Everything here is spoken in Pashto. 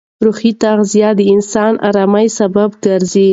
روحي تغذیه د انسان ارامۍ سبب ګرځي.